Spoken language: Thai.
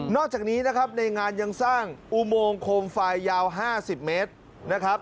อกจากนี้นะครับในงานยังสร้างอุโมงโคมไฟยาว๕๐เมตรนะครับ